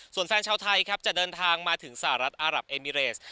ส่วนแฟนชาวไทยครับจะเดินทางมาถึงสหรัฐอารับเอมิเรส